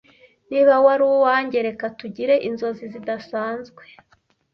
niba wari uwanjye (reka tugire inzozi zidasanzwe)